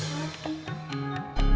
mau kemana mak